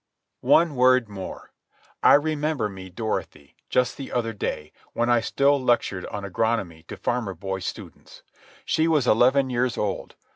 One word more. I remember me Dorothy, just the other day, when I still lectured on agronomy to farmer boy students. She was eleven years old.